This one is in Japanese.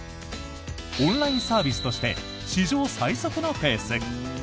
オンラインサービスとして史上最速のペース。